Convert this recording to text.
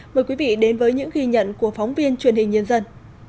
mời quý vị đến với những ghi nhận của phóng viên truyền hình nhân dân